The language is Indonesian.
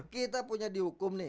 kita punya dihukum nih